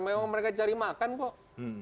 memang mereka cari makan kok